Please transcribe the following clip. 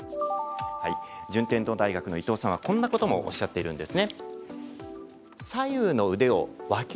順天堂大学の伊藤さんはこんなこともおっしゃっていました。